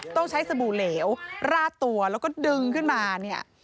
ต้องใช้สบู่เหลวราดตัวแล้วก็ดึงขึ้นมาเนี่ย